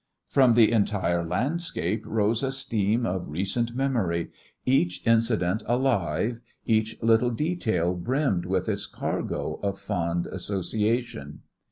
From the entire landscape rose a steam of recent memory, each incident alive, each little detail brimmed with its cargo of fond association.